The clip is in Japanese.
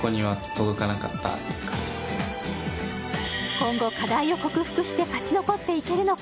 今後課題を克服して勝ち残っていけるのか